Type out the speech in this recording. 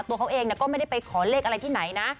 ตัวเขาเองก็ไม่ได้ไปขอเลขอะไรที่ไหนนะ